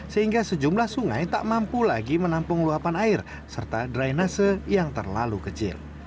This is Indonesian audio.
sehingga sejumlah sungai tak mampu lagi menampung luapan air serta drainase yang terlalu kecil